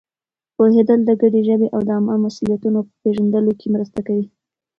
پوهېدل د ګډې ژبې او د عامو مسؤلیتونو په پېژندلو کې مرسته کوي.